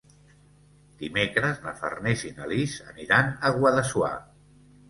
Dimecres na Farners i na Lis aniran a Guadassuar.